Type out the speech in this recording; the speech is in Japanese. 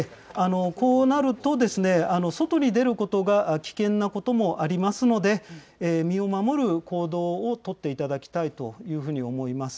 こうなるとですね、外に出ることが危険なこともありますので、身を守る行動を取っていただきたいというふうに思います。